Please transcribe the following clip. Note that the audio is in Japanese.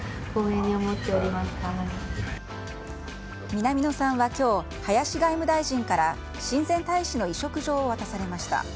南野さんは今日林外務大臣から親善大使の委嘱状を渡されました。